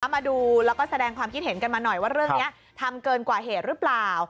มาดูแล้วก็แสดงความคิดเห็นกันมาหน่อยว่าเรื่องนี้ทำเกินกว่าเหตุหรือเปล่า